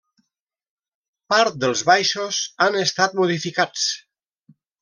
Part dels baixos han estat modificats.